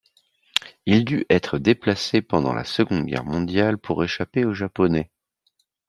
Il dût être déplacé pendant la Seconde Guerre mondiale pour échapper aux Japonais.